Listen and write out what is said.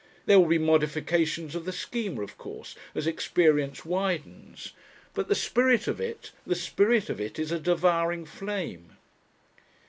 There will be modifications of the Schema, of course, as experience widens. But the spirit of it the spirit of it is a devouring flame!